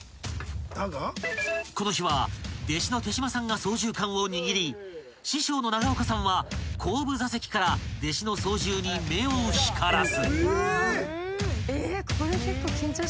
［この日は弟子の手島さんが操縦かんを握り師匠の永岡さんは後部座席から弟子の操縦に目を光らす］